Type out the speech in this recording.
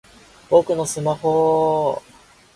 僕のスマホぉぉぉ！